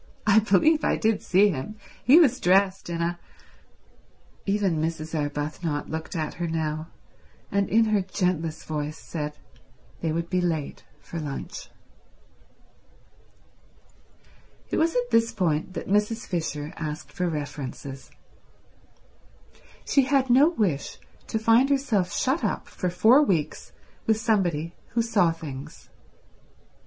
"I believe I did see him—he was dressed in a—" Even Mrs. Arbuthnot looked at her now, and in her gentlest voice said they would be late for lunch. It was at this point that Mrs. Fisher asked for references. She had no wish to find herself shut up for four weeks with somebody who saw things.